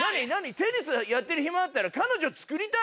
「テニスやってる暇あったら彼女つくりたい」？